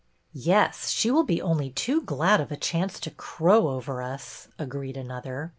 " Yes, she will be only too glad of a chance to crow over us," agreed another.